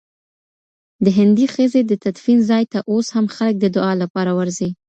د هندۍ ښځي د تدفین ځای ته اوس هم خلک د دعا لپاره ورځي.